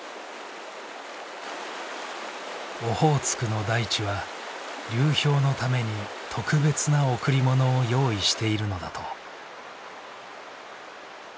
オホーツクの大地は流氷のために特別な贈り物を用意しているのだと。